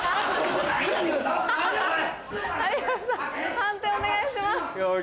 判定お願いします。